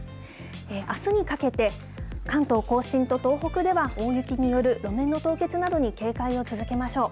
あすにかけて、関東甲信と東北では、大雪による路面の凍結などに警戒を続けましょう。